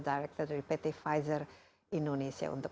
director dari pt pfizer indonesia untuk